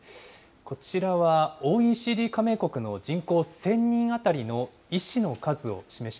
こちらはＯＥＣＤ加盟国の人口１０００人当たりの医師の数を示し